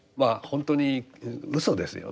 本当に嘘ですよね。